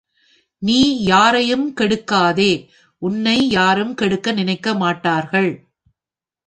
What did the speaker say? நீ யாரையும் கெடுக்காதே உன்னை யாரும் கெடுக்க நினைக்கமாட்டார்கள்.